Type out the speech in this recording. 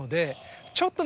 ちょっとね